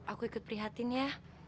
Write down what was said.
aku ikut prihatin ya